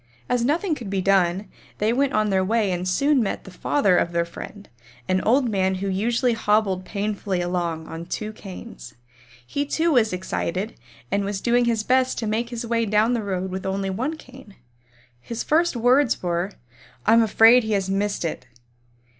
As nothing could be done, they went on their way and soon met the father of their friend, an old man who usually hobbled painfully along on two canes. He too was excited and was doing his best to make his way down the road with only one cane. His first words were, "I'm afraid he has missed it."